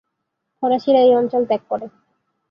ফরাসিরা এই অঞ্চল ত্যাগ করে।